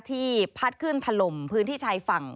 ที่พัดขึ้นถล่มพื้นที่ชายฝั่ง